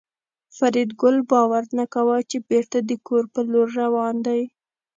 فریدګل باور نه کاوه چې بېرته د کور په لور روان دی